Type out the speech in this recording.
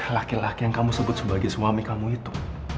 laki laki yang kamu sebut sebagai suami kamu itu